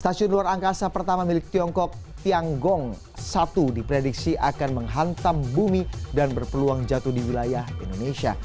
stasiun luar angkasa pertama milik tiongkok tianggong satu diprediksi akan menghantam bumi dan berpeluang jatuh di wilayah indonesia